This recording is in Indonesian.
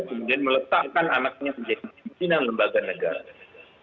kemudian meletakkan anaknya menjadi pimpinan lembaga negara